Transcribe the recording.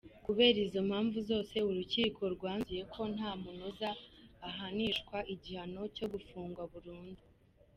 Kubera izo mpamvu zose urukiko rwanzuye ko ntamunoza ahanishwa igihano cyo “gufungwa burundu.